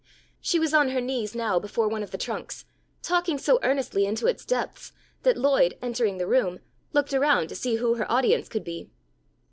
She was on her knees now before one of the trunks, talking so earnestly into its depths, that Lloyd, entering the room, looked around to see who her audience could be.